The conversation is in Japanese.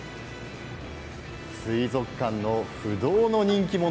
水族館の不動の人気者